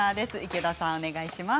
池田さん、お願いします。